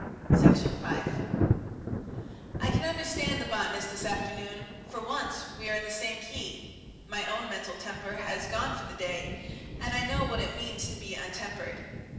Section 5 I can understand the botanist this afternoon; for once we are in the same key. My own mental temper has gone for the day, and I know what it means to be untempered.